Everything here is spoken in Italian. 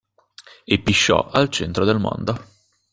E pisciò al centro del mondo.